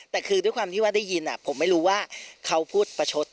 แต่คือด้วยความที่ว่าได้ยินผมไม่รู้ว่าเขาพูดประชด